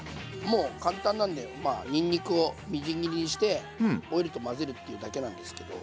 もう簡単なんでにんにくをみじん切りにしてオイルと混ぜるっていうだけなんですけど。